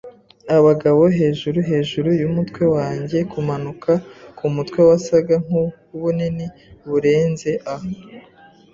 abagabo hejuru, hejuru yumutwe wanjye, kumanika kumutwe wasaga nkubunini burenze a